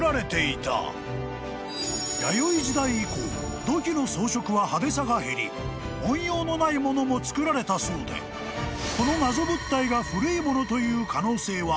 ［弥生時代以降土器の装飾は派手さが減り文様のないものも作られたそうでこの謎物体が］